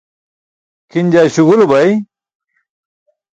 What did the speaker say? Kʰin jaa śugulu bay.